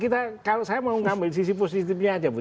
tapi kalau saya mau ngambil sisi positifnya saja bu